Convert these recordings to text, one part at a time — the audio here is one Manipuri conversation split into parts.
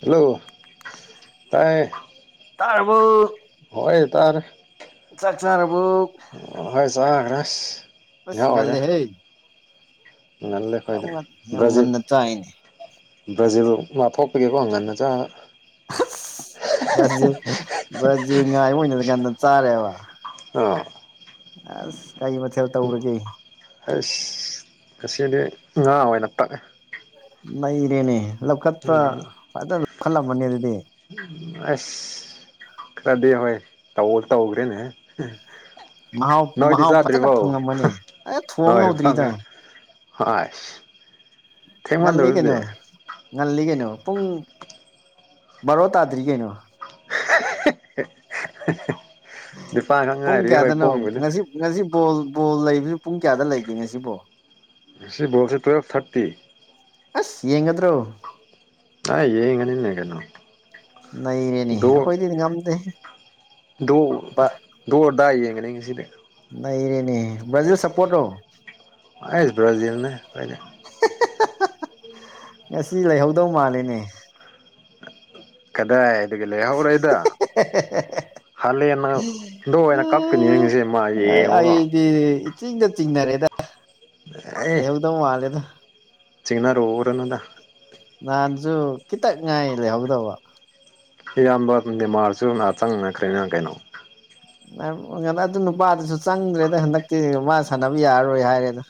ꯍꯜꯂꯣ ꯇꯥꯏ ꯇꯥꯔꯕ‌ꯣ ꯍꯣꯏ ꯇꯥꯔ‌ꯦ ꯆꯥꯛ ꯆꯔꯥꯕꯨꯛ ꯍꯣꯏ ꯆꯥꯈ꯭ꯔꯦ ꯑꯁ ꯑꯁ ꯉꯥꯏꯍꯥꯛ ꯑꯣꯏꯔꯦ ꯉꯜꯂ‌ꯦꯍ‌ꯦ ꯉꯜꯂꯦ ꯈꯣꯏꯗꯤ ꯌꯥꯝ ꯕꯔꯖꯤꯜ ꯉꯟꯅ ꯆꯥꯏꯅꯦ ꯕ꯭ꯔꯥꯖꯤꯜ ꯑꯥ ꯃꯊꯣꯛ ꯄꯨꯒꯤ ꯉꯟꯅ ꯆꯥꯔ‌ꯦ ꯑꯁ ꯕ꯭ꯔꯖꯤꯜ ꯕ꯭ꯔꯖꯤꯜ ꯉꯥꯏꯕ ꯑꯣꯏꯅ ꯉꯟꯅ ꯆꯥꯔꯦꯕ ꯍꯥ ꯑꯁ ꯀꯩ ꯃꯊꯦꯜ ꯇꯧꯔꯒꯦ ꯑꯩꯁ ꯉꯁꯤꯗꯤ ꯉꯥ ꯑꯣꯏꯅ ꯇꯛꯑꯦ ꯅꯩꯔꯦꯅꯦ ꯂꯧꯈꯠꯄ ꯑꯗꯨꯝ ꯂꯧꯈꯠꯂꯝꯃꯅꯤ ꯑꯗꯨꯗꯤ ꯎꯝ ꯑꯁ ꯈꯔꯗꯤ ꯍꯣꯏ ꯇꯧ ꯇꯧꯈ꯭ꯔꯦꯅꯦ ꯃꯍꯥꯎ ꯅꯣꯏꯗꯤ ꯃꯍꯥꯎ ꯐꯖꯅ ꯆꯥꯗ꯭ꯔꯤꯕꯣ ꯐꯪꯉꯝꯕꯅꯦ ꯑꯦ ꯊꯣꯡ ꯍꯧꯗ꯭ꯔꯤꯗ ꯍꯣꯏ ꯏꯁ ꯉꯜꯂꯤ ꯀꯩꯅꯣ ꯉꯜꯂꯤ ꯀꯩꯅꯣ ꯄꯨꯡ ꯕꯥꯔꯣ ꯇꯥꯗ꯭ꯔꯤ ꯀꯩꯅꯣ ꯅꯤꯄꯥꯟ ꯈꯛ ꯄꯨꯡ ꯉꯥꯏꯔꯤ ꯍꯣꯏ ꯀꯌꯥꯗꯅꯣ ꯄꯨꯡꯕꯨꯗꯤ ꯉꯁꯤ ꯉꯁꯤ ꯕꯣꯜ ꯕꯣꯜ ꯂꯩꯕꯁꯨ ꯄꯨꯡ ꯀꯌꯥꯗ ꯂꯩꯒꯦ ꯉꯁꯤꯕꯣ ꯉꯁꯤ ꯕ‌ꯣꯜꯁꯦ ꯇ꯭ꯨꯋꯦꯜꯞ ꯊꯥꯔꯇꯤ ꯑꯁ ꯌꯦꯡꯒꯗ꯭ꯔꯣ ꯑꯥ ꯌꯦꯡꯉꯅꯤꯅꯦ ꯀꯩꯅꯣ ꯅꯩꯔꯅꯤ ꯑꯩꯈꯣꯏꯗꯤ ꯉꯝꯗ‌ꯦ ꯗ‌ꯣ ꯗ‌ꯣꯔꯗꯥ ꯌꯦꯡꯒꯅꯤ ꯉꯁꯤꯗꯤ ꯕꯔꯖꯤꯜ ꯁꯞꯄꯣꯔꯠ ꯂ‌ꯣ ꯑꯩꯁ ꯕ꯭ꯔꯥꯖꯤꯜꯅꯦ ꯑꯩꯈꯣꯏꯗꯤ [unintelligible] ꯉꯁꯤ ꯂꯩꯍꯧꯗꯧ ꯃꯥꯜꯂꯤꯅꯦ ꯀꯗꯥꯏ ꯑꯗꯒꯤ ꯂꯩꯍ‌ꯧꯔ‌ꯣꯏꯗ ꯍꯥꯂꯦꯟꯅ ꯂ‌ꯣꯟꯅ ꯀꯞꯀꯅꯤꯁꯦ ꯃꯥ ꯌꯦꯡꯉ‌ꯣꯕ ꯑꯩꯗꯤ ꯏꯆꯤꯡꯗ ꯆꯤꯡꯅꯔꯦꯗ ꯑꯦ ꯂꯩꯍꯧꯗꯧ ꯃꯥꯜꯂꯦꯗ ꯆꯤꯡꯅꯔꯨꯔꯅꯨꯗ ꯅꯥꯍꯟꯁꯨ ꯈꯤꯇ ꯉꯥꯏ ꯂꯩꯍꯧꯗꯧꯕ ꯏꯌꯥꯝꯕ ꯅꯦꯃꯥꯔꯁꯨ ꯉ ꯆꯪꯅꯈ꯭ꯔꯦꯅ ꯀꯩꯅꯣ ꯑꯝ ꯑꯗꯨ ꯅꯨꯄꯥꯗꯨꯁꯨ ꯆꯪꯗ꯭ꯔꯦꯗ ꯍꯟꯗꯛꯇꯤ ꯃꯥ ꯁꯥꯟꯅꯕ ꯌꯥꯔꯔꯣꯏ ꯍꯥꯏꯔꯦꯗ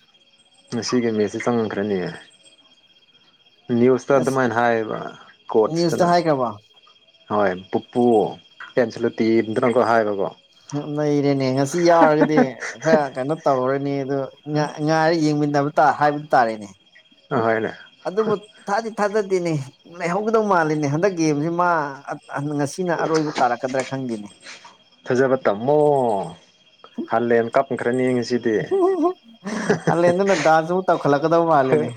ꯉꯁꯤꯒꯤ ꯃꯦꯠꯁꯦ ꯆꯪꯗꯔꯅ‌ꯦ ꯅ꯭ꯌꯨꯁꯇ ꯑꯁ ꯑꯗꯨꯃꯥꯏꯅ ꯍꯥꯏꯌꯦꯕ ꯅ꯭ꯌꯨꯁꯇ ꯀꯣꯆꯇꯅ ꯍꯥꯏꯈ꯭ꯔꯕ ꯍꯣꯏ ꯄꯨꯄꯨ ꯀꯦꯟꯁꯨꯂꯇꯤꯝꯇꯅꯪꯀ ꯍꯥꯏꯕꯀꯣ ꯂꯩꯔꯦꯅꯦ ꯉꯁꯤ ꯌꯥꯎꯔꯒꯗꯤ ꯈꯔ ꯀꯩꯅꯣ ꯇꯧꯔꯅꯤ ꯑꯗꯨ ꯉꯥꯏꯔ ꯌꯦꯡꯃꯤꯟꯅꯗꯕ ꯇ ꯍꯥꯏꯕꯗꯨ ꯇꯥꯔꯦꯅꯦ ꯑ ꯍꯅ ꯑꯗꯨꯕꯨ ꯊꯥꯗꯤ ꯊꯥꯖꯗꯦꯅꯦ ꯂꯩꯍꯧꯒꯗꯧ ꯃꯥꯜꯂꯤꯅꯦ ꯍꯟꯗꯛ ꯒꯦꯝꯁꯤ ꯃꯥ ꯉꯁꯤꯅ ꯑꯔꯣꯏꯕ ꯇꯥꯔꯛꯀꯗ꯭ꯔꯥ ꯈꯪꯗꯦꯅꯤ ꯐꯖꯕ ꯇꯝꯃꯣ ꯈꯪ ꯈꯔ ꯌꯦꯡꯉꯁꯤ ꯑꯜꯂꯦꯟ ꯑꯗꯨꯅ ꯗꯥꯟꯁ ꯑꯃꯨꯛ ꯇꯧꯈꯠꯂꯛꯀꯗꯕ ꯃꯥꯜꯂꯤꯅꯦ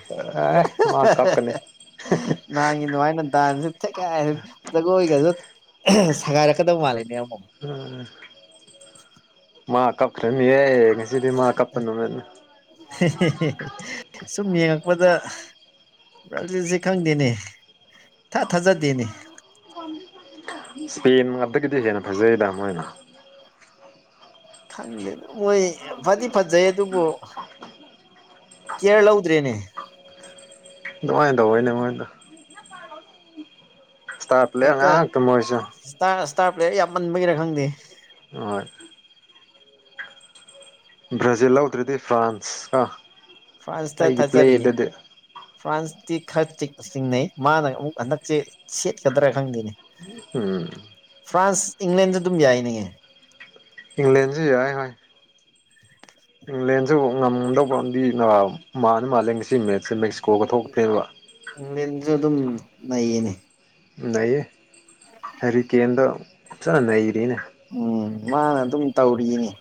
ꯑꯦ ꯃꯥ ꯀꯞꯀꯅꯤ ꯅ ꯋꯥꯥꯏꯅ ꯗꯥꯟꯁ ꯊ ꯖꯒꯣꯏꯒꯁꯨ ꯁꯒꯥꯏꯔꯛꯀꯗꯕ ꯃꯥꯜꯂꯦꯅꯦ ꯎꯝ [unintelligible] ꯃꯥ ꯀꯞꯈ꯭ꯔꯅꯤꯍꯦ ꯉꯁꯤꯗꯤ ꯃꯥ ꯀꯞꯄꯅꯣꯅꯦꯅ ꯁꯨꯝ ꯌꯦꯡꯉꯛꯄꯗ ꯔꯥꯖꯤꯠꯁꯦ ꯈꯪꯗꯦꯅꯦ ꯊꯥ ꯊꯥꯖꯗꯦꯅꯦ ꯏꯁꯄꯦꯟ ꯉꯥꯛꯇꯒꯤꯗꯤ ꯍꯦꯟꯅ ꯐꯖꯩꯗ ꯑꯃ ꯑꯣꯏꯅ ꯈꯪꯗꯦꯗ ꯃꯣꯏ ꯐꯗꯤ ꯐꯖꯩ ꯑꯗꯨꯕꯨ ꯀꯦꯔ ꯂꯧꯥꯎꯗ꯭ꯔꯦꯅꯦ ꯅꯃꯥꯏꯗ ꯍꯣꯏꯅꯦꯃꯣꯏꯗ ꯍꯦꯛꯇ ꯉꯥꯛꯇ ꯃꯣꯏꯁꯨ ꯏꯁꯇꯥꯔ ꯏꯁꯇꯥꯔ ꯄ꯭ꯂꯦꯌꯔ ꯌꯥꯝꯃꯟꯕꯒꯤꯔ ꯈꯪꯗꯦ ꯑ ꯕ꯭ꯔꯥꯖꯤꯜ ꯂꯧꯗ꯭ꯔꯗꯤ ꯐ꯭ꯔꯥꯟꯁ ꯀ ꯐ꯭ꯔꯥꯟꯁꯇ ꯍꯖꯔꯤ ꯐ꯭ꯔꯥꯟꯁ ꯈꯔ ꯆꯤꯡꯅꯩ ꯃꯥꯅ ꯑꯃꯨꯛ ꯍꯟꯗꯛꯁꯦ ꯁꯦꯠꯀꯗ꯭ꯔꯥ ꯈꯪꯗꯦꯅꯦ ꯎꯝ ꯐ꯭ꯔꯥꯟꯁ ꯏꯪꯂꯦꯟꯗ ꯑꯗꯨꯝ ꯌꯥꯏꯅꯤꯉ ꯏꯪꯂꯦꯟꯁ ꯌꯥ ꯍ ꯍꯣꯏ ꯏꯪꯂꯦꯟꯁꯨ ꯉꯝꯗꯧꯕ ꯄ꯭ꯔꯗꯤ ꯃꯥꯅ ꯃꯥꯜꯂꯤ ꯁꯤ ꯃꯦꯠꯁꯦ ꯃꯦꯛꯁꯤꯀꯣꯒ ꯊꯣꯛꯇꯦꯕ ꯅꯌꯦꯅꯦ ꯂꯩꯏꯌꯦ ꯍꯔꯤ ꯀꯦꯟꯗꯣ ꯅꯩꯅꯔꯤꯅꯦ ꯎꯝ ꯃꯥꯅ ꯑꯗꯨꯝ ꯇꯧꯔꯤꯅꯤ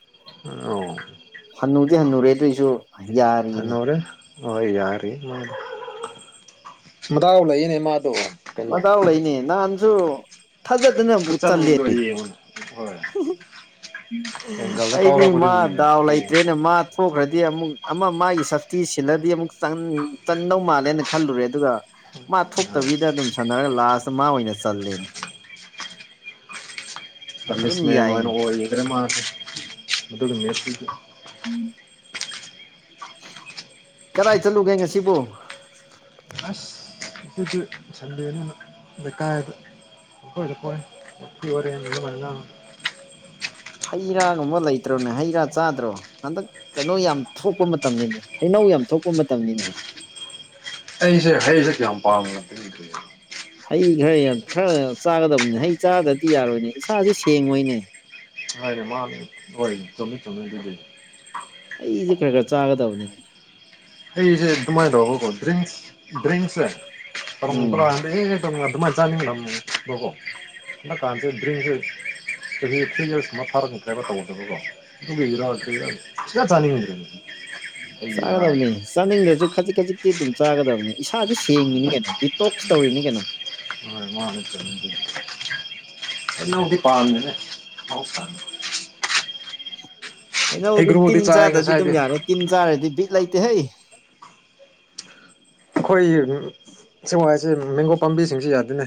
ꯑꯣ ꯍꯟꯅꯨꯗꯤ ꯍꯟꯅꯨꯔꯦ ꯑꯗꯨꯏꯁꯨ ꯌꯥꯔꯤꯅꯦ ꯍꯅꯨꯔꯦ ꯍꯣꯏ ꯌꯥꯔꯤ ꯃꯥ ꯃꯗꯥꯥꯎ ꯂꯩꯅꯦ ꯃꯥꯗꯣ ꯀꯩꯅꯣ ꯃꯇꯗꯥꯎ ꯂꯩꯅꯦ ꯅꯍꯥꯟꯁꯨ ꯊꯥꯖꯗꯅ ꯑꯃꯨꯛ ꯆꯜꯂꯦ ꯈꯨꯆꯪꯗꯣ ꯌꯦꯡꯉꯨꯅꯦ ꯍꯣꯏ ꯑꯦꯡꯒꯜꯗ ꯑꯩꯗꯤ ꯃꯥ ꯀꯥꯎꯔꯛꯄꯗꯨꯅꯅꯦ ꯗꯥꯎ ꯌꯦꯡꯉꯣ ꯂꯩꯇ꯭ꯔꯦꯅ ꯃꯥ ꯊꯣꯛꯈ꯭ꯔꯗꯤ ꯑꯃꯨꯛ ꯑꯃ ꯃꯥꯒꯤ ꯁꯞꯇꯤ ꯁꯤꯜꯂꯗꯤ ꯑꯃꯨꯛ ꯆꯟꯗꯧ ꯃꯥꯜꯂꯦꯅ ꯈꯜꯂꯨꯔꯦ ꯑꯗꯨꯒ ꯃꯥ ꯊꯣꯛꯇꯕꯤꯗ ꯑꯗꯨꯝ ꯁꯥꯟꯅꯔꯒ ꯂꯥꯁꯇ ꯃꯥ ꯑꯣꯏꯅ ꯆꯜꯂꯦꯅꯦ [unintelligible] ꯁ ꯃꯦꯃ ꯍꯔ ꯃ ꯃꯥ ꯎ ꯑꯗꯨ ꯀꯔꯥꯏ ꯆꯠꯂꯨꯒꯦ ꯉꯁꯤꯕꯨꯣ ꯑꯁ ꯏꯗꯤ ꯁꯟꯗꯦꯅ ꯂꯩꯀꯥꯥꯏꯗ ꯃ ꯑꯣꯏꯔꯦ ꯃ ꯍꯩ ꯔꯥꯒꯨꯝꯕ ꯂꯩꯇ꯭ꯔꯣꯅꯦ ꯍꯩ ꯔꯥ ꯆꯥꯗ꯭ꯔꯣ ꯍꯟꯗꯛ ꯀꯩꯅꯣ ꯌꯥꯝ ꯊꯣꯛꯄ ꯃꯇꯝꯅꯤꯅꯦꯩꯅ ꯏꯧ ꯌꯥꯝ ꯊꯣꯛꯄ ꯃꯇꯝꯅꯤꯅꯦ ꯍꯩꯁꯦ ꯍꯩꯁꯦ ꯀꯌꯥꯝ ꯄꯥꯝꯃꯤ ꯍꯩ ꯈꯔꯌꯝ ꯈꯔꯌꯝ ꯆꯥꯒꯗꯕꯅꯤ ꯍꯩ ꯆꯥꯗ꯭ꯔꯗꯤ ꯌꯥꯔꯣꯏꯅꯦ ꯏꯁꯥꯁꯦ ꯁꯦꯡꯉꯣꯏꯅꯦ ꯍꯣꯏꯅꯦ ꯃꯥꯅꯦ ꯍꯣꯏ ꯆꯨꯝꯃꯤ ꯆꯨꯝꯃꯤꯗꯨꯗꯤ ꯑꯩꯁꯦ ꯈꯔ ꯈꯔ ꯆꯥꯒꯗꯕꯅꯤꯅꯦ ꯑꯩꯁꯦ ꯑꯗꯨꯃꯥꯏꯅ ꯇꯧꯒꯀꯣ ꯗꯔꯤ ꯗ꯭ꯔꯤꯡꯁꯦ ꯎꯝ [unintelligible] [unintelligible] [unintelligible] ꯑꯩꯒꯤ ꯉꯥꯁꯦ ꯆꯥꯒꯗꯕꯅꯤ ꯆꯥꯅꯤꯡꯗ꯭ꯔꯁꯨ ꯈꯖꯤꯛ ꯈꯖꯤꯛꯇꯤ ꯑꯗꯨꯝ ꯆꯥꯒꯗꯕꯅꯤ ꯏꯁꯥꯥ ꯁꯦꯡꯉꯤꯅꯤ ꯀꯩꯅꯣ ꯗꯤꯇꯣꯛꯁ ꯇꯧꯔꯤꯅꯤ ꯀꯩꯅꯣ [unintelligible] ꯍꯩꯅꯧꯗꯤ ꯄꯟꯕꯅꯦ ꯍꯩꯅꯧꯗꯤ ꯇꯤꯟ ꯆꯥꯏ ꯆꯥꯗꯗꯤ ꯑꯗꯨꯝ ꯉꯁꯥꯏꯗꯤ ꯌꯥꯔꯦ ꯇꯤꯟ ꯆꯥꯔꯗꯤ ꯂꯩꯇ ꯍꯦ ꯁꯦꯡꯋꯥ ꯍꯥꯏꯁꯦ ꯃꯦꯡꯒꯣ ꯄꯥꯝꯕꯤꯁꯤꯡꯁꯤ ꯌꯥꯗꯧꯏꯅꯦ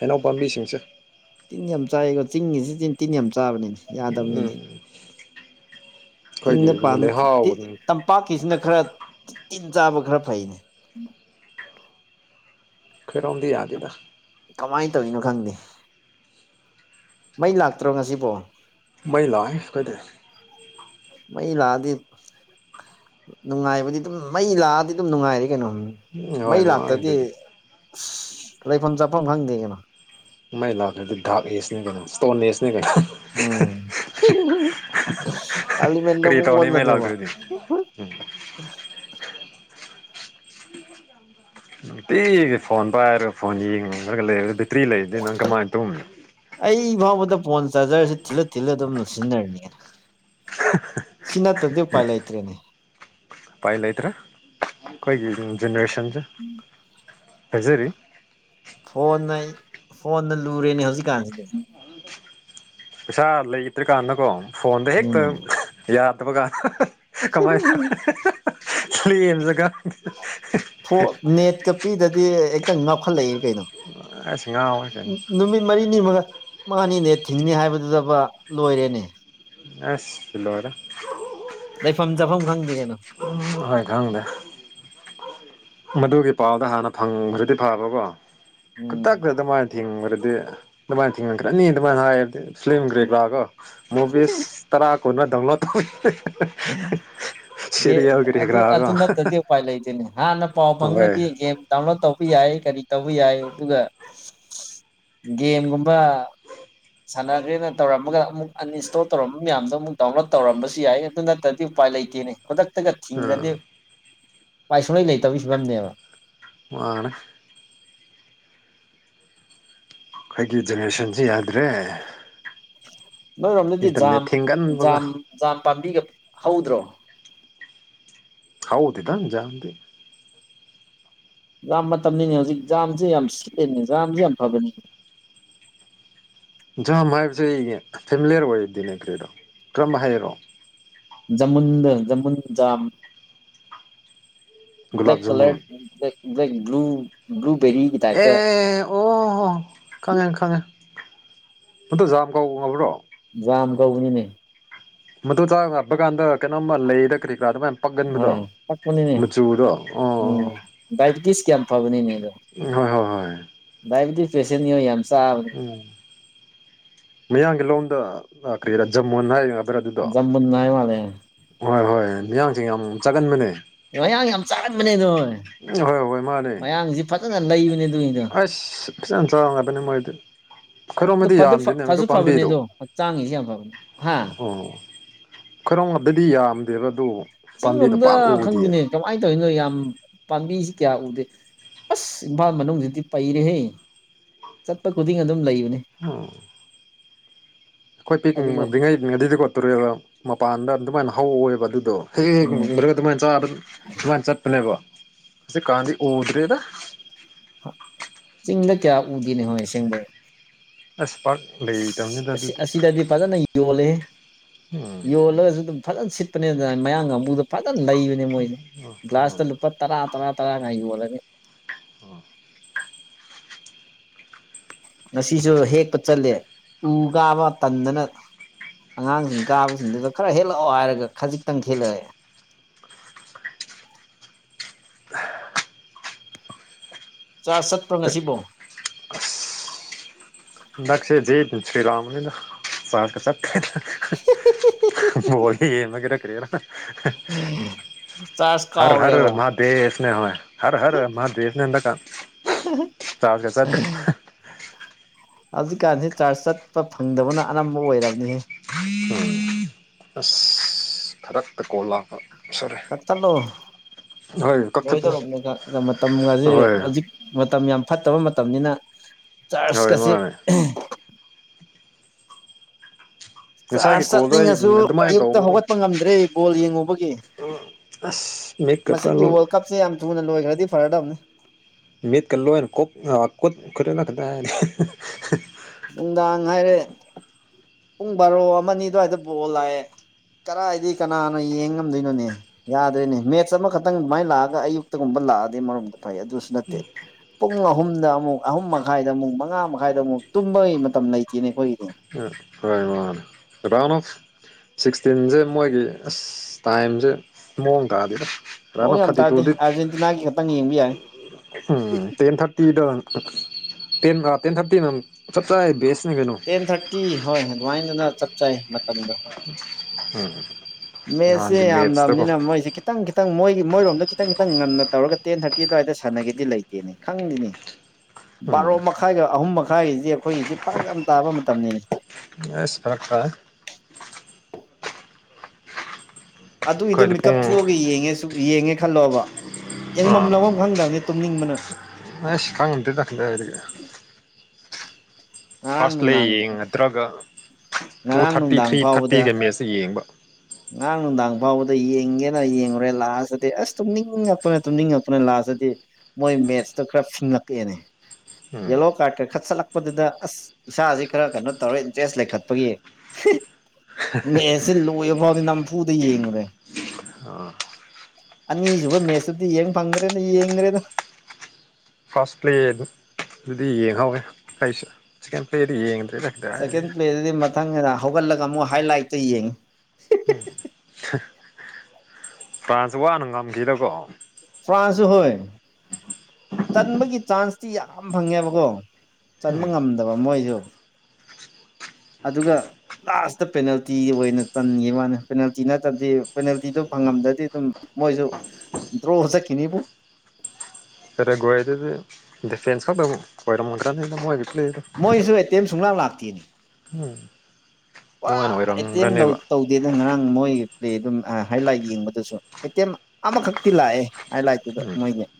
ꯍꯅꯥꯎ ꯄꯥꯝꯕꯤꯁꯤꯡꯁꯦ ꯇꯤꯟ ꯌꯥꯝ ꯆꯥꯏꯀꯣ ꯆꯤꯡꯒꯤꯁꯤꯡ ꯇꯤꯟ ꯌꯥꯝ ꯆꯥꯕꯅꯤꯅ ꯌꯥꯗꯕꯅꯤꯅꯦ ꯎꯝ ꯑꯩꯈꯣꯏꯒꯤ ꯆꯤꯡꯅ ꯄꯥ ꯂꯩꯍꯥꯎ ꯇꯝꯄꯥꯛꯀꯤꯁꯤꯅ ꯈꯔ ꯆꯤꯟ ꯆꯥꯕ ꯈꯔ ꯐꯩꯅꯦ ꯈꯣꯢꯔꯣꯝꯗꯤ ꯌꯥꯗꯦꯗ ꯀꯃꯥꯏꯅ ꯇꯧꯔꯤꯅꯣ ꯈꯪꯗꯦ ꯃꯩ ꯂꯥꯛꯇ꯭ꯔꯣ ꯉꯁꯤꯕꯣ ꯃꯩ ꯂꯛꯑꯦ ꯈꯣꯏꯗꯤ ꯃꯩ ꯂꯥꯛꯑꯗꯤ ꯅꯨꯡꯉꯥꯏꯕꯗꯤ ꯑꯗꯨꯝ ꯃꯩ ꯂꯥꯛꯑꯗꯤ ꯑꯗꯨꯝ ꯅꯨꯡꯉꯥꯏꯔ ꯀꯩꯅꯣ ꯃꯩ ꯍꯣꯏ ꯂꯥꯛꯇꯗꯤ ꯃꯥꯗꯨꯗꯤ ꯑꯁ ꯂꯩꯐꯝ ꯆꯥꯐꯝ ꯈꯪꯗꯦ ꯀꯩꯅꯣ ꯃꯥꯏ ꯂꯥꯛ꯭ꯔꯗꯤ ꯗꯔꯛ ꯑꯦꯁꯅꯤ ꯀꯩꯅꯣ ꯏꯁꯣꯟ ꯑꯦꯁ ꯎꯝ ꯑꯂꯤꯃꯦꯟꯗ ꯀꯔꯤ ꯃꯨꯛ ꯇꯧꯅꯤ ꯃꯩ ꯑꯣꯜꯂꯅꯤꯕ ꯑ ꯂꯥꯛꯇ꯭ꯔꯗꯤ [unintelligible] ꯅꯨꯡꯇꯤꯒꯤ ꯐꯣꯟ ꯄꯥꯏꯔ ꯐꯣꯟ ꯌꯦꯡꯉꯒ ꯂꯩ ꯇ꯭ꯔꯤ ꯂꯩꯗꯤ ꯅꯪ ꯀꯃꯥꯏꯅ ꯇꯧꯅꯤ ꯏꯃꯐꯎꯗ ꯐꯣꯟ ꯆꯥꯔꯖꯔꯁꯦ ꯊꯤꯜꯂ ꯊꯤꯜꯂ ꯑꯗꯨꯝ ꯂꯁꯤꯟꯅꯔꯅꯤꯅ [unintelligible] ꯅꯠꯇꯗꯤ ꯎꯄꯥꯏ ꯂꯩꯇ꯭ꯔꯦꯅꯦ ꯎꯄꯥꯏ ꯂꯩꯇ꯭ꯔꯦ ꯑꯩꯈꯣꯏꯒꯤ ꯖꯦꯅꯦꯔꯦꯁꯟꯁꯦ ꯐꯖꯔꯤ ꯐꯣꯟꯅ ꯐꯣꯟꯅ ꯂꯨꯔꯦꯅꯦ ꯍꯧꯖꯤꯛꯀꯥꯟꯁꯤꯗꯤ ꯄꯩꯁꯥ ꯂꯩꯇ꯭ꯔꯔꯤ ꯀꯥꯟꯅꯀꯣ ꯐꯣꯟꯗ ꯍꯦꯛꯇ ꯎꯝ ꯌꯥꯗꯕ ꯒ ꯀꯃꯥꯏ [unintelligible] ꯅꯦꯠꯀ ꯄꯤꯗꯗꯤ ꯍꯦꯛꯇꯪ ꯉꯥꯎꯈꯠꯂꯛꯏꯦ ꯀꯩꯅꯣ ꯑꯁ ꯉꯥꯎꯔꯦ ꯀꯩꯅꯣ ꯅꯨꯃꯤꯠ ꯃꯔꯤꯅꯤꯃꯒ ꯃꯥꯅꯤꯅꯦ ꯊꯤꯡꯅꯤ ꯍꯥꯏꯕꯗꯨꯗꯕ ꯂꯣꯏꯔꯦꯅꯦ ꯑꯁ ꯂꯣꯢꯔꯦ ꯂꯩꯐꯝ ꯆꯥꯐꯝ ꯈꯪꯗꯦ ꯎꯝ ꯍꯣꯏ ꯈꯪꯗ ꯃꯗꯨꯒꯤ ꯄꯥꯎꯗ ꯍꯥꯟꯅ ꯐꯪꯈ꯭ꯔꯗꯤ ꯐꯕꯀꯣ ꯎꯝ ꯈꯨꯗꯛꯇ ꯑꯗꯨꯃꯥꯏꯅ ꯊꯤꯡꯕꯗꯗꯤ ꯑꯗꯨꯃꯥꯏꯅ ꯊꯤꯡꯈ꯭ꯔꯅꯤ ꯑꯗꯨꯃꯥꯏꯅ ꯍꯥꯏꯔꯗꯤ ꯐ꯭ꯂꯤꯝ ꯀꯔꯤ ꯀꯔꯥꯗꯣ ꯃꯨꯕꯤꯁ ꯇꯔꯥ ꯀꯨꯟ ꯗꯗꯥꯎꯟꯂꯣꯗ ꯇꯧ ꯁꯤꯔꯤꯌꯦꯜ ꯀꯔꯤ ꯑꯗꯨ ꯀꯔꯥꯀꯣ ꯑꯗꯨ ꯅꯠꯇꯔꯗꯤ ꯎꯄꯥꯏ ꯂꯩꯗꯦꯅꯦ ꯍꯥꯟꯅ ꯄꯥꯎ ꯍꯣꯏ ꯐꯪꯉꯒꯗꯤ ꯒꯦꯝ ꯗꯥꯎꯟꯂꯣꯗ ꯇꯧ ꯌꯥꯏ ꯀꯔꯤ ꯇꯧꯕ ꯌꯥꯏ ꯑꯗꯨꯒ ꯒꯦꯝꯒꯨꯝꯕ ꯁꯥꯟꯅꯈ꯭ꯔꯦꯅ ꯇꯧꯔꯝꯃꯒ ꯑꯃꯨꯛ ꯑꯟꯢꯟꯁꯇꯣꯜ ꯇꯧꯔꯝꯕ ꯃꯌꯥꯝꯗꯣ ꯑꯃꯨꯛ ꯗꯥꯎꯟꯂꯣꯗ ꯇꯧꯔꯝꯕꯁꯨ ꯌꯥꯏ ꯑꯗꯨ ꯅꯠꯇ꯭ꯔꯗꯤ ꯎꯄꯥꯢ ꯎꯄꯥꯏ ꯂꯩꯇꯦꯅꯦ ꯈꯨꯗꯛꯇꯒ ꯊꯤꯡꯒꯤꯔꯗꯤ ꯎꯝ ꯎꯄꯥꯏ ꯁꯨꯡꯂꯩ ꯂꯩꯇꯕꯒꯤ ꯐꯤꯕꯝꯅꯦꯕ ꯃꯔꯔ ꯑꯩꯈꯣꯏꯒꯤ ꯖꯦꯅꯦꯔꯦꯁꯟꯁꯤ ꯌꯥꯗ꯭ꯔꯦ ꯃꯔꯔꯣꯝꯗꯗꯤ ꯖꯥꯝ ꯏꯟꯇꯔꯅꯦꯠ ꯊꯤꯡꯒꯟꯕꯒ ꯖꯝ ꯖꯥꯝ ꯄꯥꯝꯕꯤꯒ ꯍꯧꯗ꯭ꯔꯣ ꯍꯥꯎꯗꯗꯖꯝꯗꯤ ꯖꯥꯝ ꯃꯇꯝꯅꯤꯅꯦ ꯍꯧꯖꯤꯛ ꯖꯥꯝꯁꯦ ꯌꯥꯝ ꯁꯤꯠꯂꯦꯅꯦ ꯖꯥꯝꯁ ꯌꯥꯝ ꯐꯕꯅꯤꯅꯦ [inaudible] ꯖꯥꯝ ꯍꯥꯏꯕꯁꯦ ꯑꯩ ꯐꯦꯃꯤꯂꯤꯌꯔ ꯑꯣꯏꯗꯤꯅꯦ ꯀ꯭ꯔꯔꯤꯗꯣ ꯀꯔꯝꯝꯕ ꯍꯥꯏꯔꯛꯑꯣ ꯖꯃꯨꯟꯗ ꯖꯃꯨꯟꯖꯥꯝ ꯒꯨꯂꯥꯞ ꯕ꯭ꯂꯦꯛ ꯖꯃꯨꯟ ꯀꯂꯔ꯭ꯂ ꯕ ꯭ꯂꯨ ꯭ꯂꯨ ꯑꯦ ꯑꯣꯣ ꯈꯉꯦ ꯈꯉꯦ ꯃꯗꯨ ꯖꯥꯝ ꯀꯥꯎ ꯉꯕ꯭ꯔꯣ ꯖꯝ ꯀꯥꯑꯣꯕꯅꯤꯅꯦ ꯃ ꯇꯨ ꯆ ꯔꯕꯒꯥꯟꯗ ꯀꯩꯅꯣ ꯃꯜꯦ ꯇꯛꯔꯤ ꯀꯥꯗ ꯃ ꯄꯥꯛꯒꯟꯕꯗꯣ ꯍꯣꯏ ꯄꯛꯄꯅꯤꯅꯦ ꯃꯆꯨꯗꯣ ꯑꯥ ꯑꯥ ꯎꯝ ꯗꯥꯏꯕꯤꯇꯤꯁꯀꯤ ꯌꯥꯝ ꯎ ꯍꯣꯏ ꯍꯣꯏ ꯍꯣꯏ ꯗꯥꯌꯦꯦꯇꯤꯤꯁ ꯄꯦꯁꯦꯟ ꯌ ꯌꯥꯝ ꯆꯥꯕꯅꯦ ꯎꯝ ꯃꯌꯥꯝꯡꯒꯤ ꯂꯣꯝꯗ ꯀꯔꯤꯔꯥ ꯖꯃꯣꯟ ꯍꯥꯏꯔꯤ ꯑꯣꯇꯔ ꯑꯗꯨꯗꯣ ꯖꯝꯕꯨꯟ ꯍꯥꯏ ꯃꯥꯜꯂꯦ ꯍꯣꯏ ꯍꯣꯏ ꯃꯤꯌꯥꯡꯁꯦ ꯌꯥꯝ ꯆꯒꯟꯕꯅꯦ ꯃꯌꯥꯡ ꯌꯥꯝ ꯆꯥꯥꯟꯕꯅꯦꯗꯣꯏ ꯍꯣꯏ ꯍꯣꯏ ꯃꯥꯅꯦ ꯃꯌꯥꯡꯁꯤ ꯐꯖ ꯑꯁ ꯆ ꯆ ꯋꯥꯅꯤ ꯃꯣꯏꯗꯤ ꯑꯗꯨ ꯈꯔꯣꯃꯗꯤ ꯐꯗꯤ ꯌꯥꯝꯗꯦꯅꯦꯕ ꯑꯗꯨ ꯐꯁꯨ ꯐꯕꯅꯦ ꯄꯥꯝꯕꯤꯗꯣ ꯑꯗꯣ ꯍꯛꯆꯥꯡꯒꯤꯁꯨ ꯌꯥꯝ ꯐꯕꯅꯦ ꯍꯥ ꯑꯣ ꯈꯔꯗꯗꯤ ꯌꯥꯝꯗꯦꯕ ꯑꯗꯨ ꯄꯥꯝꯕꯤꯗꯣ ꯆꯤꯡꯂꯣꯝꯗ ꯄꯥꯛ ꯎꯗꯤꯌꯦ ꯈꯪꯗꯦꯅꯦ ꯀꯃꯥꯏꯅ ꯇꯧꯔꯤꯅꯣ ꯌꯥꯝ ꯄꯥꯝꯕꯤꯁꯤ ꯀꯌꯥ ꯎꯗꯦ ꯑꯁ ꯏꯝꯐꯥꯜ ꯃꯅꯨꯡꯁꯤꯗꯤ ꯄꯩꯔꯦꯍꯦ ꯆꯠꯄ ꯈꯨꯗꯤꯡ ꯑꯗꯨꯝ ꯂꯩꯕꯅꯦ ꯑꯣ ꯑꯩꯈꯣꯏ ꯑꯗꯨꯕꯨ ꯄꯤꯛꯔꯤꯉꯩ ꯑꯗꯨꯗꯤ ꯀꯣꯠꯇꯣꯔꯦꯗ ꯃꯄꯥꯟꯗ ꯑꯗꯨꯃꯥꯏꯅ ꯍꯧꯋꯦꯕ ꯑꯗꯨꯗꯣ ꯍꯦꯛ ꯍꯦꯛ ꯍꯦꯛ ꯎꯝ ꯉꯨꯝꯗ꯭ꯔꯒ ꯑꯗꯨꯃꯥꯏꯅ ꯆ ꯑꯗꯨꯃꯥꯏꯅ ꯆꯠꯄꯅꯦꯕ ꯑ ꯀꯥꯗꯤ ꯑꯣ ꯎꯗꯔꯗ ꯆꯤꯡꯗ ꯀꯌꯥ ꯎꯗꯦꯅꯤ ꯍꯣꯏꯁꯦꯡꯕꯩ ꯑꯁ ꯄꯥꯛ ꯂꯩꯇꯕꯅꯤꯗ ꯑꯁ ꯑꯗꯨꯗꯤ ꯑꯁꯤꯗꯗꯤ ꯐꯖꯅ ꯌꯣꯜꯜꯂꯤꯦ ꯎꯝ ꯌꯣꯜꯂꯒꯁꯨ ꯑꯗꯨꯝ ꯐꯖꯅ ꯁꯤꯠꯄꯅꯦ ꯑꯗꯨꯅ ꯃꯌꯥꯡꯒ ꯀꯥꯡꯕꯨꯗ ꯐꯖꯅ ꯂꯩꯕꯅꯦ ꯃꯣꯏꯁꯦ ꯒ꯭ꯂꯥꯁꯇ ꯎꯝ ꯂꯨꯄꯥ ꯇꯔꯥ ꯇꯔꯥ ꯇꯔꯥꯒ ꯌꯣꯜꯂꯅꯤ ꯑꯣ ꯉꯁꯤꯁꯨ ꯍꯦꯛꯄ ꯆꯠꯂꯦ ꯎꯒ ꯑꯃ ꯇꯟꯗꯅ ꯑꯉꯥꯡꯁꯤꯡ ꯀꯥꯕꯁꯤꯡꯗꯨꯗ ꯈꯔ ꯍꯦꯜꯂꯛꯑꯣ ꯍꯥꯏꯔꯒ ꯈꯖꯤꯛꯇꯪ ꯍꯦꯠꯂꯛꯑꯦ ꯆꯥ ꯆꯠꯄ ꯉꯁꯤꯕꯣ ꯆꯥꯔꯆ ꯖꯤꯔꯝꯅꯤꯅ ꯆ ꯃꯣꯂꯤ ꯃꯒꯔ ꯀꯔꯤꯔ ꯆꯥꯔꯖ ꯍꯔ ꯍꯔ ꯀꯥꯎꯔꯦꯕ ꯃꯍꯥꯗꯦꯁ ꯍꯣꯏ ꯍꯔ ꯍꯔ ꯃꯍꯥꯗꯦꯁꯅꯦꯟꯗ ꯀ ꯆ ꯆ ꯆꯗ꯭ꯔ ꯍꯧꯖꯤꯛꯀꯥꯟꯁꯤ ꯆꯥꯔꯖ ꯆꯠꯄ ꯐꯪꯗꯕꯅ ꯑꯅꯝꯕ ꯑꯣꯏꯔꯕꯅꯤꯍ ꯑꯁ ꯐꯔꯛꯛꯇ ꯀꯣꯂꯥ ꯀꯠꯊꯠꯂꫭ ꯍꯣꯏ ꯂꯣꯏꯗꯧꫪ ꯀꯛꯊꯠꯄꯅ ꯕꯅꯤꯗ ꯃꯇꯝꯒꯁꯦ ꯍꯣꯏ ꯍꯧꯖꯤꯛ ꯃꯇꯝ ꯌꯥꯝ ꯐꯠꯇꯕ ꯃꯇꯝꯅꯤꯅ ꯍꯣꯏ ꯆꯔꯖꯀꯁꯦ ꯃꯥꯅꯦ ꯉꯁꯥꯏꯒꯤ ꯆꯥꯔꯖ ꯀꯣꯜꯗꯣ ꯑꯩ ꯆꯞꯅꯤꯡꯉꯁꯨ ꯑꯗꯨꯃꯥꯏꯅ ꯑꯌꯨꯛꯇ ꯇꯧꯕꯀꯣ ꯍꯧꯒꯠꯄ ꯉꯝꯗ꯭ꯔꯦ ꯕꯣꯜ ꯌꯦꯡꯉꯨꯕꯒꯤ ꯑꯁ ꯃꯤꯠꯀ ꯃꯁꯤꯒꯤ ꯋꯥꯔꯜ ꯀꯞꯁꯦ ꯌꯥꯝ ꯊꯨꯅ ꯂꯣꯏꯈ꯭ꯔꯗꯤ ꯐꯔꯗꯕꯅꯤ ꯃꯤꯠꯀ ꯂꫭꯏꯅ ꯀꯨꯛ ꯅꯨꯡꯗꯥꯡ ꯍꯥꯏꯔꯦ ꯄꯨꯡ ꯕꯥꯔꯣ ꯑꯃ ꯑꯅꯤ ꯑꯗꯨꯋꯥꯏꯗ ꯕꯣꯜ ꯂꯥꯛꯑꯦ ꯀꯔꯥꯏꯗꯩ ꯀꯅꯥꯅꯣ ꯌꯦꯡꯉꯝꯗꯣꯏꯅꯣꯅꯦ ꯌꯥꯗ꯭ꫪ‌ꯦꯅ‌ꯦ ꯃꯦꯠꯁ ꯑꯃꯈꯛꯇꯪ ꯑꯗꯨꯃꯥꯏꯅ ꯂꯥꯛꯑꯒ ꯑꯌꯨꯛꯇꯥꯒꯨꯝꯕ ꯂꯥꯛꯑꯗꯤ ꯑꯃꯔ‌ꯣꯝꯗ ꯐꯩ ꯑꯗꯨꯁꯨ ꯅꯠꯇꯦ ꯄꯨꯡ ꯑꯍꯨꯝꯗ ꯑꯃꯨꯛ ꯑꯍꯨꯝ ꯃꯈꯥꯏꯗ ꯑꯃꯨꯛ ꯃꯉꯥ ꯃꯈꯥꯏꯗ ꯑꯃꯨꯛ ꯇꯨꯝꯕꯒꯤ ꯃꯇꯝ ꯂꯩꯇꯦꯅꯦ ꯑꯩꯈꯣꯏꯒꯤꯗꯤ ꯑꯝ ꯀꯥꯅꯅꫭ ꯀꯗꯥꯅꫭꯛ [unintelligible] ꯁꯤꯛꯁꯇꯤꯟꯖ‌ꯦ ꯃꯣꯏꯒꯤ ꯑꯁ ꯇꯥꯏꯝꯖ‌ꯦ ꯃꯑꯣꯡ ꯇꯥꯗ‌‌ꯦꯗ ꯃꯑꯣꯡ ꯌꯥꯝ ꯇꯥꯗꯦ ꯑꯥꯔꯖꯦꯟꯇꯤꯅꯥꯒꯤ ꯈꯛꯇꯪ ꯌꯦꯡꯕ ꯌꯥꯏ ꯎꯝ ꯇꯦꯟ ꯊꯥꯔꯇꯤꯗꫭ ꯇꯦꯟ ꯇ‌ꯦꯟ ꯊꯥꯔꯇꯤꯅ ꯆꯞ ꯆꯥꯅ ꯕꯦꯁ ꯇꯦꯟ ꯊꯥꯔꯇꯤ ꯍꯣꯏ ꯑꯗꯨꯃꯥꯏꯅꯅ ꯆꯞ ꯆꯥꯏ ꯄꯟꯗ‌ꯣ ꯃꯦꯁ ꯁ‌ꯦ ꯅꯍꯥꯟꯒꯤ ꯃꯦꯠꯁꯇꯀꯣ ꯌꯥꯝꯗꯕꯅꯤꯅ ꯃꯣꯏꯁꯦ ꯈꯤꯇꯪ ꯈꯤꯇꯪ ꯃꯣꯏꯒꯤ ꯃꯣꯏꯔꯣꯝꯗꯣ ꯈꯤꯇꯪ ꯈꯤꯇꯪ ꯉꯟꯅ ꯇꯧꯔꯒ ꯇꯦꯟ ꯊꯥꯔꯇꯤ ꯑꯗꯨꯋꯥꯏꯗ ꯁꯥꯟꯅꯒꯦꯗꯤ ꯂꯩꯇꯦꯅꯦ ꯈꯪꯗ‌ꯦꯅ‌ꯦ ꯎꯝ ꯕꯥꯔꯣ ꯃꯈꯥꯏꯒ ꯑꯍꯨꯝ ꯃꯈꯥꯏꯒꯤꯁꯤ ꯑꯩꯈꯣꯏꯒꯤꯖꯤ ꯐꯥꯔꯛ ꯌꯥꯝ ꯇꯥꯕ ꯃꯇꯝꯅꯤꯅꯦ ꯑꯁ ꯐꯔꯛ ꯇꯥꯏ ꯑꯗꯨꯏꯗꯣ ꯑꯩꯈꯣꯏꯗꯤ ꯃꯤꯀꯞ ꯄꯨꯡ ꯊꯣꯛꯑꯒ ꯌꯦꯡꯉꯦꯁꯨ ꯌꯦꯡꯉꯦ ꯈꯜꯂꯣꯕ ꯌꯦꯡꯐꯝ ꯑꯥ ꯂꯥꯛꯐꯝ ꯈꯪꯗꯝꯅꯤ ꯇꯨꯝꯅꯤꯡꯕꯅ ꯑꯁ ꯈꯪꯗ‌ꯦꯗ ꯀꯗꯥꯏꯗꯒꯤ ꯉꯔꯥꯡ ꯐꯥꯔꯁ ꯂꯩ‌ ꯅꯨꯡꯗꯥꯡ ꯌꯦꯡꯉꯗ꯭ꯔꯒ ꯇꯨ ꯉꯔꯥꯡ ꯊꯥꯔꯇꯤ ꯅꯨꯡꯗꯥꯡ ꯊ꯭ꯔꯤ ꯐꯥꯎꯕꯗ ꯊꯥꯔꯇꯤꯗ ꯃꯦꯁꯁ‌ꯦ ꯌꯦꯡꯕ ꯉꯔꯥꯡ ꯅꯨꯡꯗꯥꯡ ꯐꯥꯎꯕꯗ ꯌꯦꯡꯒꯦꯅ ꯌꯦꯡꯉꯨꯔꯦ ꯂꯥꯁꯇꯗꯤ ꯑꯁ ꯇꯨꯝꯅꯤꯡꯉꯛꯄꯅ ꯇꯨꯝꯅꯤꯡꯉꯛꯄꯅ ꯂꯥꯁ ꯗꯗꯤ ꯃꯣꯏ ꯃ‌ꯦꯁꯇꯣ ꯈꯔ ꯐꯤꯡ ꯍꯥꯞꯄꯛꯑꯦꯅꯦ ꯎꯝ ꯌꯦꯂꯣ ꯀꯥꯔꯠꯀ ꯈꯠꯆꯜꯂꯛꯄꯗꯨꯗ ꯑꯁ ꯏꯁꯥꯁꯦ ꯈꯔ ꯀꯩꯅꯣ ꯇꯧꯔ ꯏꯟꯇꯔꯦꯁ ꯂꯩꯈꯠꯄꯒꯤ ꯃꯦꯁꯁꯦ ꯂꯣꯏꯕ ꯐꯥꯎꯗꯤ ꯅꯝꯐꯨꯗ ꯌꯦꯡꯉꯨꯔꯦ ꯑꯅꯤꯁꯨꯕ ꯃꯦꯠꯁꯇꯨꯗꯤ ꯌꯦꯡ ꯐꯪꯗ꯭ꯔꯦꯗ ꯌꯦꯡꯗ꯭ꯔꯦꯗ ꯐꯥꯔꯁ ꯄ꯭ꯂꯦꯗꯨ ꯑꯗꯨꯗꯤ ꯌꯦꯡꯍꯧꯋꯦ ꯑꯩꯁꯨ ꯁꯦꯀꯦꯟ ꯄ꯭ꯂꯦꯗꯤ ꯌꯦꯡꯗ‌ꯦ ꯁꯦꯀꯦꯟ ꯄ꯭ꯂꯦꯗꯨꯗꯤ ꯃꯊꯪ ꯍꯧꯒꯠꯂꯒ ꯑꯃꯨꯛ ꯍꯥꯏꯂꯥꯏꯠꯇ ꯌꯦꯡꯉꯤ ꯎꯝ ꯐ꯭ꯔꯥꯟꯁ ꯋꯥꯅ ꯉꯝꯒꯤꯗꯀꯣ ꯐ꯭ꯔꯥꯟꯁꯨ ꯍꫭꯏ ꯆꯟꯕꯒꯤ ꯆꯥꯟꯁꯇꯤ ꯌꯥꯝ ꯐꯪꯉꯦꯕꯀꯣ ꯆꯟꯕ ꯎꯝ ꯉꯝꯗꯕ ꯃꯣꯏꯖꯨ [unintelligible] ꯑꯗꯨꯒ ꯂꯥꯁꯇ ꯄꯦꯅꯥꯜꯇꯤ ꯑꯣꯏꯅ ꯆꯟꯒꯤꯋꯥꯅꯦ ꯄꯦꯅꯥꯜꯇꯤ ꯅꯠꯇꯕꯗꯤ ꯄꯦꯅꯥꯜꯇꯤꯗꯣ ꯐꯪꯉꯝ ꯗꯔꯗꯤ ꯑꯗꯨꯝ ꯃꯣꯏꯁꯨ ꯗ꯭ꯔꯣ ꯆꯠꯈꯤꯅꯤꯕꫭ ꯄ‌ꯣꯔ‌ꯇꯨꯒꯣꯜꯗꯒꯤ ꯗꯤꯐꯦꯟꯁ ꯈꯛꯇꯕꯨ ꯀꯣꯏꯔꯝꯒꯅꯤꯗ ꯃꫭꯏ ꯃꯣꯏꯁꯨ ꯑꯦꯇꯦꯝ ꯁꯨꯡꯂꯛ ꯂꯥꯛꯇꯦꯅꯤ ꯍꯝ ꯄꯨꯔꯥ ꯑꯦꯇꯦꯝ ꯇꯧꯗꯦꯗ ꯉꯔꯥꯡ ꯃꯣꯏ ꯄꯂ‌ꯦꯗꯨꯝ ꯑ ꯍꯥꯏ ꯂꯥꯏꯠ ꯌꯦꯡꯕꯗꯨꯁꯨ ꯑꯦꯇꯦꯝ ꯑꯃꯈꯛꯇꯤ ꯂꯥꯛꯑꯦ ꯍꯥꯏꯂꯥꯏꯠꯇꯨꯗ ꯎꯝ ꯃꯣꯏꯒꯤ [unintelligible]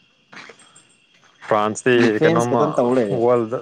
ꯐ꯭ꯔꯥꯟꯁꯇꯤ ꯗꯤꯐꯦꯟꯁ ꯀꯩꯅꯣꯝꯃ ꯈꯛꯇꯪ ꯇꯧ ꯂꯩꯔꯦ ꯋꯥꯔꯜꯗ